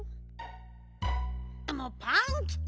もうパンキチ！